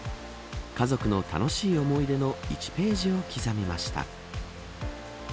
家族の楽しい思い出の１ページを刻みました。